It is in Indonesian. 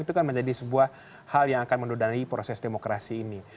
itu kan menjadi sebuah hal yang akan menudanai proses demokrasi ini